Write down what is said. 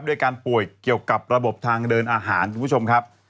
ด้วยการป่วยเกี่ยวกับระบบทางเดินอาหารคุณผู้ชมครับ